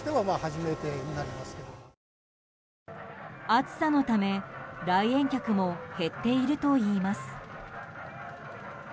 暑さのため、来園客も減っているといいます。